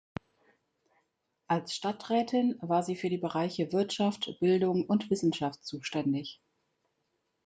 Als Stadträtin war sie für die Bereiche Wirtschaft, Bildung und Wissenschaft zuständig.